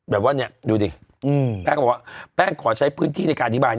แบบว่าเนี่ยดูดิแป้งก็บอกว่าแป้งขอใช้พื้นที่ในการอธิบาย